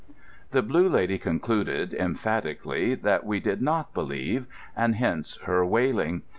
The Blue Lady concluded, emphatically, that we did not believe; and hence her wailing.